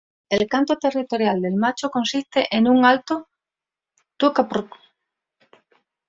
El canto territorial del macho consiste en un alto "tuk-a-prruk".